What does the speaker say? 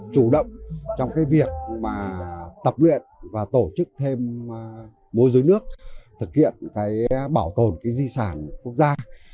chủ động trong cái việc mà tập luyện và tổ chức thêm mối dối nước thực hiện cái bảo tồn cái di sản quốc gia